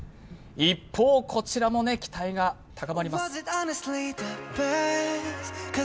一方、こちらも期待が高まります。